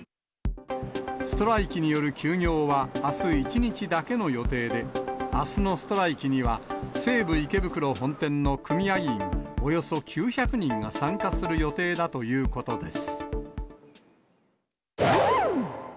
ストライキによる休業は、あす１日だけの予定で、あすのストライキには、西武池袋本店の組合員およそ９００人が参加する予定だということです。